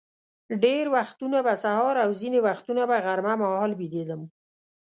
ډېر وختونه به سهار او ځینې وختونه به غرمه مهال بېدېدم.